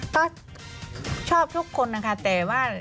ก็ชอบทุกคนนะคะแต่ว่า